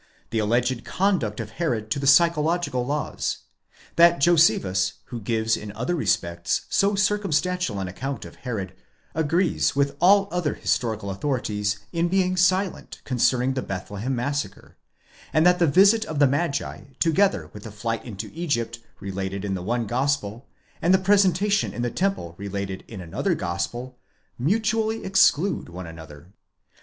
the alleged conduct of Herod to the psychological laws; that Josephus, who gives in other respects so circumstantial an account of Herod, agrees with alk other historical authorities in being silent concerning the Bethlehem massacre ; and that the visit of the Magi together with the flight into Egypt related in the one Gospel, and the presentation in the temple related in another Gospel, mutually exclude one another.